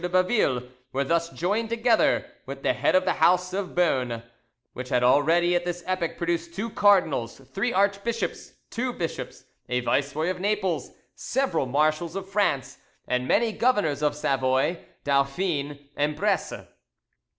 de Baville were thus joined together with the head of the house of Beaune, which had already at this epoch produced two cardinals, three archbishops, two bishops, a viceroy of Naples, several marshals of France, and many governors of Savoy, Dauphine, and Bresse.